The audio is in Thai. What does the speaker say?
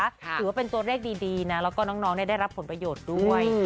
ถือว่าเป็นตัวเลขดีนะแล้วก็น้องได้รับผลประโยชน์ด้วย